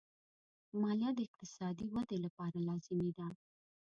مالیه د اقتصادي ودې لپاره لازمي ده.